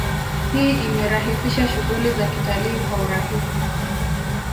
Hii imerahisisha shughuli za kitalii kwa urahisi